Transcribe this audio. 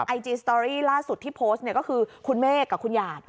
ไอจีสตอรี่ล่าสุดที่โพสต์เนี่ยก็คือคุณเมฆกับคุณหยาด